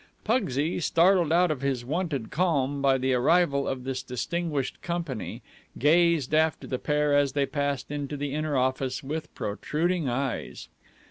Pugsy, startled out of his wonted calm by the arrival of this distinguished company, gazed after the pair, as they passed into the inner office, with protruding eyes.